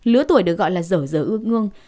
lứa tuổi được gọi là dở dở ương ương